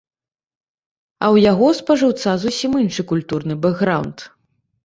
А ў яго спажыўца зусім іншы культурны бэкграўнд.